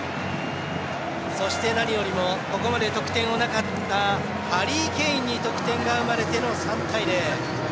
そして何よりもここまで得点のなかったハリー・ケインに得点が生まれての３対０。